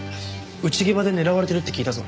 内ゲバで狙われてるって聞いたぞ。